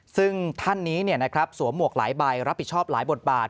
ซึ่งท่านนี้สวมหมวกหลายใบรับผิดชอบหลายบทบาท